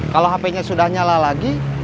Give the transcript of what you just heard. kalau hp nya sudah nyala lagi